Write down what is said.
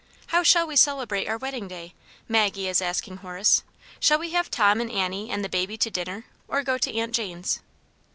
" How shall we celebrate our wedding day ?" Maggie is asking Horace. "Sh^ll we have Tom and Annie and the baby to dinner, or go to Aunt Jane's?"